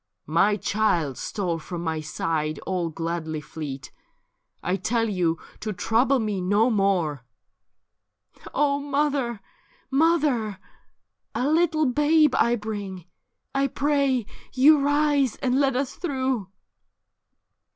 ' My child stole from my side all gladly fleet ; I tell yon to trouble me no more.' ' O mother, mother ! a little babe I bring ; I pray you rise and let us through.'